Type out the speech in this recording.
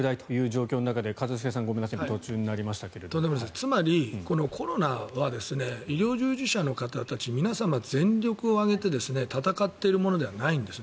つまりコロナは医療従事者の方たち皆様全力を挙げて闘っているものではないんです。